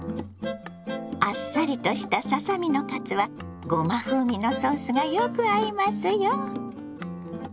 あっさりとしたささ身のカツはごま風味のソースがよく合いますよ。